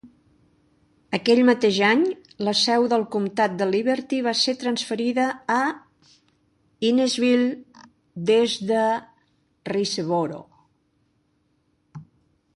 Aquell mateix any, la seu del Comtat de Liberty va ser transferida a Hinesville des de Riceboro.